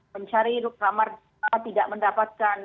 mencari kamar tidak mendapatkan